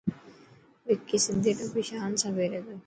وڪي سڌي ٽوپي شان سان پيري ٿو.